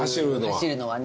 走るのはね。